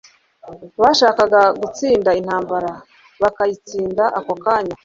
bashakaga gutsinda intambara, bakayitsinda ako kanya